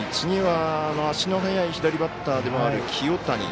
次は足の速い左バッターでもある清谷。